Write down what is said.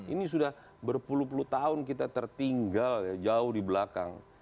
ini sudah berpuluh puluh tahun kita tertinggal jauh di belakang